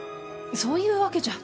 そういうわけじゃ。